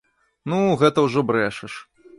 Ну, гэта ўжо брэшаш!